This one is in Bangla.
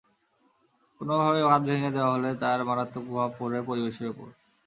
কোনোভাবে বাঁধ ভেঙে দেওয়া হলে তার মারাত্মক প্রভাব পড়বে পরিবেশের ওপর।